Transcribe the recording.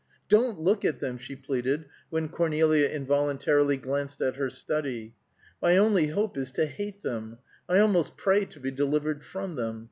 "Don't look at them!" she pleaded, when Cornelia involuntarily glanced at her study. "My only hope is to hate them. I almost pray to be delivered from them.